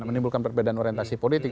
menimbulkan perbedaan orientasi politik